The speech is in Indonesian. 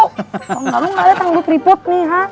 kalau nggak lu nggak ada tanggung but riput nih